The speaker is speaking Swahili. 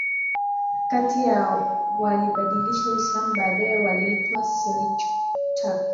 Kati walibadilisha Uislamu Baadaye waliitwa Seljuq Turks